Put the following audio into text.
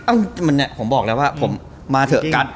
มันเนี่ยผมบอกแล้วว่าผมมาเถอะ